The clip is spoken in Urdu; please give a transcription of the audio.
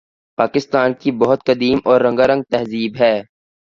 پاکستان کی بہت قدیم اور رنگارنگ تہذیب ہے